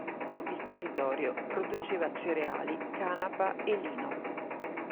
Il territorio produceva cereali, canapa e lino.